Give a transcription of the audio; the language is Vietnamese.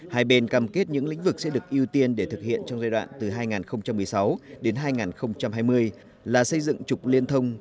hai bên cam kết những lĩnh vực sẽ được ưu tiên để thực hiện trong giai đoạn từ hai nghìn một mươi sáu đến hai nghìn hai mươi là xây dựng trục liên thông